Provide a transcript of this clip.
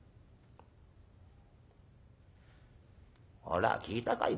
「ほら聞いたかい？